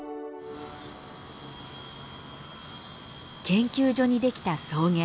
研究所にできた草原。